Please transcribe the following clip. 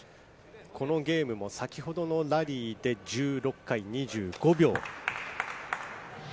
このゲームも先ほどで、２６回２５秒。